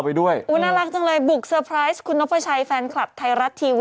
เออเดี๋ยวรสเมฆส่งกระดาษทิชชูเปียกไปให้ด้วย